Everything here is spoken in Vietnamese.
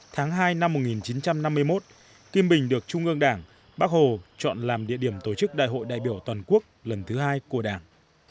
tháng hai năm một nghìn chín trăm năm mươi một kim bình được trung ương đảng bác hồ chọn làm địa điểm tổ chức đại hội đại biểu toàn quốc lần thứ hai của đảng